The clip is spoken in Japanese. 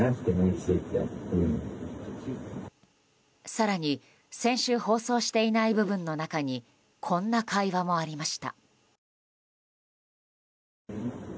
更に、先週放送していない部分の中にこんな会話もありました。